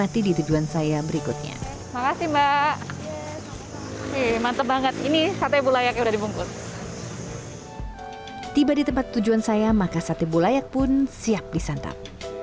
tiba di tempat tujuan saya maka sate bulayak pun siap disantap